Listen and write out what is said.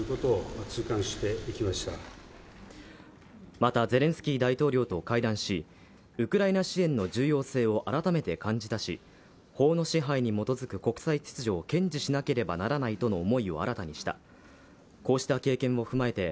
またゼレンスキー大統領と会談しウクライナ支援の重要性を改めて感じたし法の支配に基づく国際秩序を堅持しなければならないとの思いを新たにした、こうした経験を踏まえて